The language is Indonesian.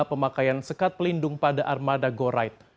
pemakaian sekat pelindung pada armada go ride